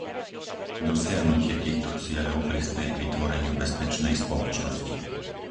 Dosiahnutie týchto cieľov prispeje k vytvoreniu bezpečnej spoločnosti.